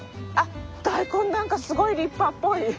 あっ大根何かすごい立派っぽい。